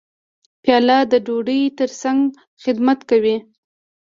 پیاله د ډوډۍ ترڅنګ خدمت کوي.